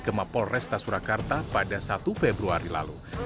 ke mapol resta surakarta pada satu februari lalu